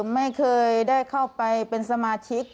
ไม่เคยได้เข้าไปเป็นสมาชิก